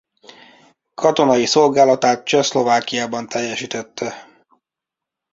Katonai szolgálatát Csehszlovákiában teljesítette.